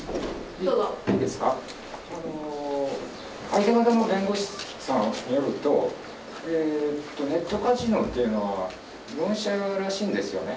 相手方の弁護士さんによると、ネットカジノっていうのは、４社らしいんですよね。